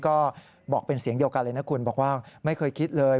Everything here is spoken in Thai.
ก็บอกเป็นเสียงเดียวกันเลยนะคุณบอกว่าไม่เคยคิดเลย